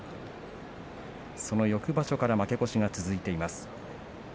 その翌場所から負け越しが続いています。